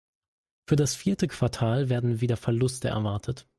Für das vierte Quartal werden wieder Verluste erwartet.